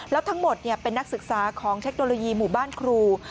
แล้วทั้งหมดเป็นนักศึกษาของเทคโนโลยีหมู่บ้านครู